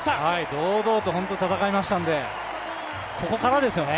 堂々と本当に戦いましたのでここからですよね。